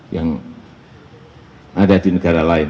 yang ada di negara lain